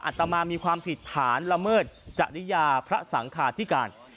ตมามีความผิดฐานละเมิดจริยาพระสังคาธิการ